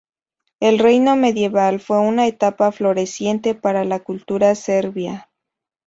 El reino medieval fue una etapa floreciente para la cultura serbia.